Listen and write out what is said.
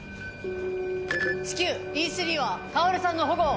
至急Ｅ３は薫さんの保護を。